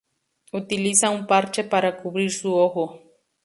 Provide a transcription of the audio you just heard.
Utiliza un parche para cubrir su ojo.